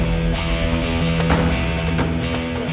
kau udah ngerti